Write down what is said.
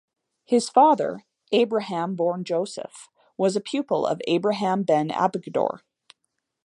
His father, Abraham born Joseph, was a pupil of Abraham ben Abigdor.